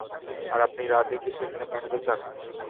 আর আপনি রাধেকে সেখানে পাঠাতে চান?